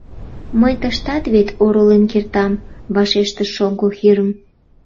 — Мый тыштат вет оролен кертам, — вашештыш шоҥго Хирм.